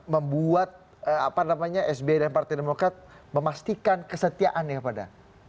membuat sby dan partai demokrat memastikan kesetiaannya pada